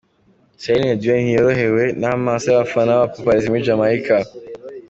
Celine Dion ntiyorohewe n'amaso y'bafana n'abapaparazzi muri Jamaica.